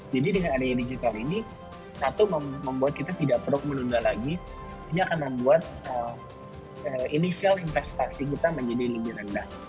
jadi dengan adanya digital ini satu membuat kita tidak perlu menunda lagi ini akan membuat inisial investasi kita menjadi lebih rendah